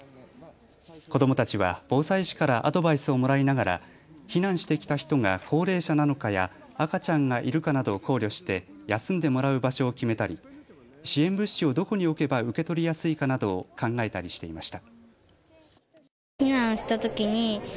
子どもたちは防災士からアドバイスをもらいながら避難してきた人が高齢者なのかや赤ちゃんがいるかなどを考慮して休んでもらう場所を決めたり、支援物資をどこに置けば受け取りやすいかなどを考えたりしていました。